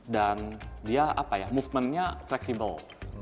dan dia movementnya fleksibel